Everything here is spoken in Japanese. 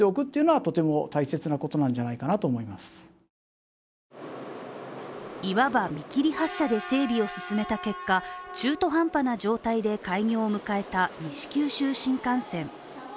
福岡プロデューサーはいわば見切り発車で整備を進めた結果、中途半端な状態で、開業を迎えた西九州新幹線。